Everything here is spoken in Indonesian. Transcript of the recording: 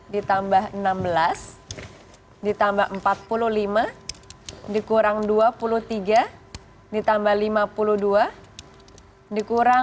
dua puluh tiga ditambah enam belas ditambah empat puluh lima dikurang dua puluh tiga ditambah lima puluh dua dikurang empat puluh satu